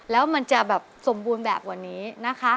แล้วมันจะแบบสมบูรณ์แบบกว่านี้นะคะ